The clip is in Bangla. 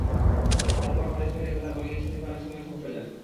তার পরও খালি চোখে তাঁর বোলিং অ্যাকশন দেখে অনেক সময়ই সংশয় জাগে।